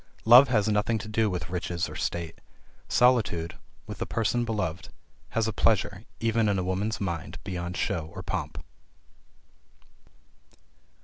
Love has nothing to do with riches or state. Solitude, with the person beloved, has a pleasure, even in a woman's mind, beyond show or pomp.